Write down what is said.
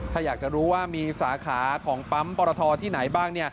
ถ้าอยากจะรู้ว่ามีสาขาของปั๊มปรทที่ไหนบ้าง